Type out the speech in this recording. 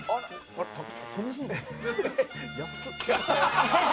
安っ。